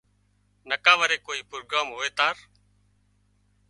نڪا وري ڪوئي پروگران هوئي تار